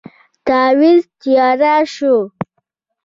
تاويذ تیار شو.